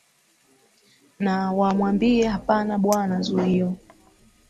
na wa wamwambie hapana bwana zuio